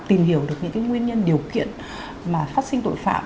tìm hiểu được những nguyên nhân điều kiện mà phát sinh tội phạm